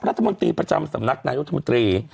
รัฐมนตรีประจำสำนักนายุทธมนตรี